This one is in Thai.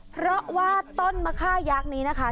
เพราะว่าต้นมะค่ายักษ์นี้นะคะ